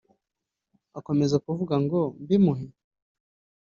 akomeza kuvuga ngo mbimuhe